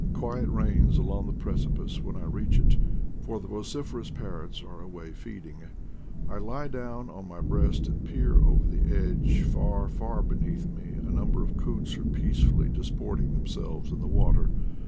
Quiet reigns along the precipice when I reach it, for the vociferous parrots are away feeding. I lie down on my breast and peer over the edge ; far, far beneath me a number of coots are peacefully disporting them selves in the water.